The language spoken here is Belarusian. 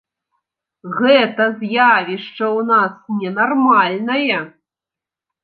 Гэта з'явішча ў нас ненармальнае.